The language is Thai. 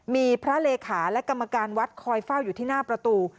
มีพระเลขาและกรรมการวัดคอยเฝ้าอยู่ที่หน้าประตู